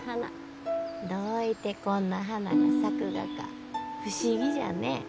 どういてこんな花が咲くがか不思議じゃね。